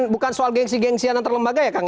bukan soal gengsi gengsian antar lembaga ya kang